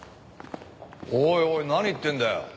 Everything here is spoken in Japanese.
おいおい何言ってんだよ。